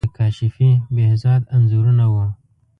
د کاشفی، بهزاد انځورونه وو.